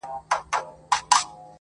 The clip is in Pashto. o زما د ښار ځوان.